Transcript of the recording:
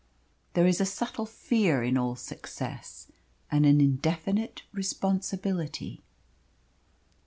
There is a subtle fear in all success, and an indefinite responsibility.